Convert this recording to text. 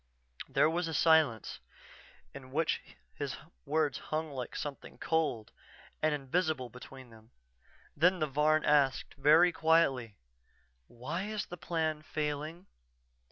There was a silence, in which his words hung like something cold and invisible between them. Then the Varn asked, very quietly: "_Why is the Plan failing?